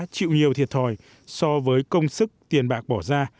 chịu nhiều thiệt thòi so với công sức tiền bạc bỏ ra